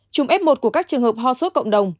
chùm f một của các trường hợp ho sốt cộng đồng hai mươi tám